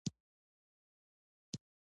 ښکلي مخ ته په کتو کښې ګناه نشته.